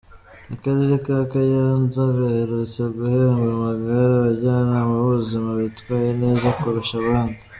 Akarere ka Kayonza gaherutse guhemba amagare abajyanama b’ubuzima bitwaye neza kurusha abandi.